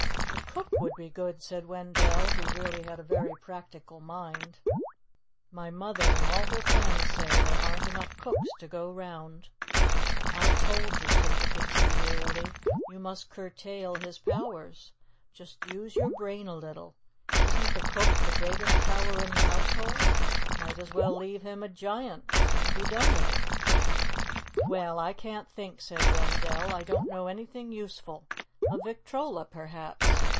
"A cook would be good," said Wendell, who really had a very practical mind. "My mother and all her friends say there aren't enough cooks to go 'round." "I told you," said the Pixie wearily, "you must curtail his powers. Just use your brain a little. Isn't the cook the greatest power in the household? Might as well leave him a giant and be done with it!" "Well, I can't think," said Wendell. "I don't know anything useful. A victrola, perhaps.